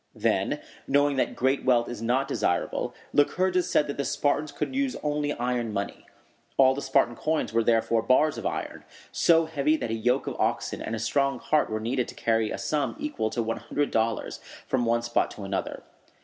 Then, knowing that great wealth is not desirable, Lycurgus said that the Spartans should use only iron money. All the Spartan coins were therefore bars of iron, so heavy that a yoke of oxen and a strong cart were needed to carry a sum equal to one hundred dollars from one spot to another.